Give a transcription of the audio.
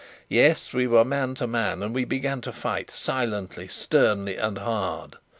Yes, we were man to man: and we began to fight, silently, sternly, and hard.